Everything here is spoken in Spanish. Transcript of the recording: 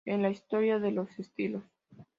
En la "historia de los estilos".